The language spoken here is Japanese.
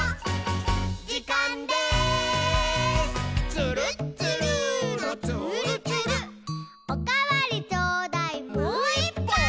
「つるっつるーのつーるつる」「おかわりちょうだい」「もういっぱい！」